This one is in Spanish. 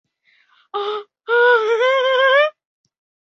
Inmediatamente los padres son recluidos en un psiquiátrico.